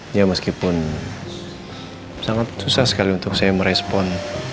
ya meskipun sangat susah sekali untuk saya merespon